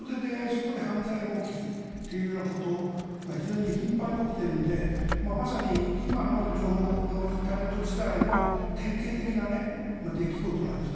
そこで犯罪も起きというようなことが非常に頻繁に起きているので今の情報のインターネット時代の典型的な出来事なんです。